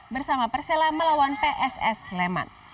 bersama persela melawan pss sleman